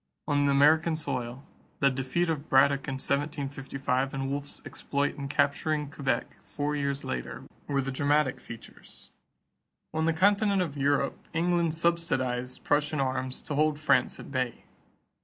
On American soil, the defeat of Braddock in 1755 and Wolfe's exploit in capturing Quebec four years later were the dramatic features. On the continent of Europe, England subsidized Prussian arms to hold France at bay.